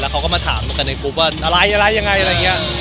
แล้วเขาก็มาถามกันในกรุ๊ปว่าอะไรยังไงอะไรอย่างเงี้ย